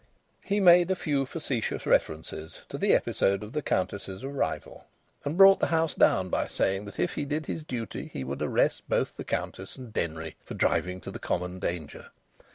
He made a few facetious references to the episode of the Countess's arrival, and brought the house down by saying that if he did his duty he would arrest both the Countess and Denry for driving to the common danger.